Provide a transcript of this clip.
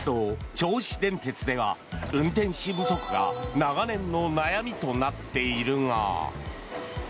銚子電鉄では運転士不足が長年の悩みとなっているが。